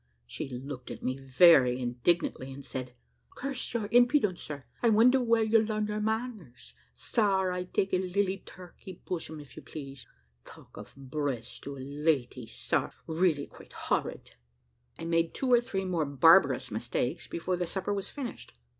She looked at me very indignantly, and said, "Curse your impudence, sir, I wonder where you larn manners. Sar, I take a lily turkey bosom, if you please. Talk of breast to a lady, sar! really quite horrid." I made two or three more barbarous mistakes before the supper was finished.